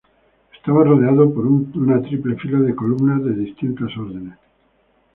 Estaba rodeado por una triple fila de columnas de distintos órdenes.